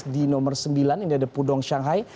di nomor sembilan ini ada pudong shanghai